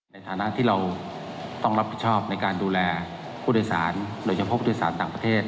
ในฐานะที่เราต้องรับผิดชอบในการดูแลผู้โดยสารโดยเฉพาะผู้โดยสารต่างประเทศ